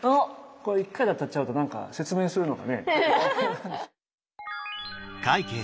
これ１回で当たっちゃうとなんか説明するのがね。